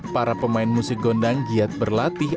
para pemain musik gondang giat berlatih